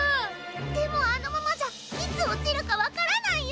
でもあのままじゃいつおちるかわからないよ！